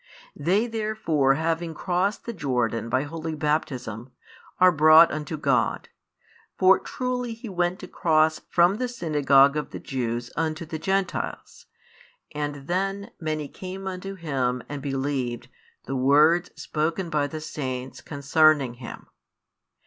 They therefore having crossed the Jordan by Holy Baptism, are brought unto God: for truly He went across from the synagogue of the Jews unto the Gentiles: and then many came unto Him and believed the words spoken by the saints concerning Him.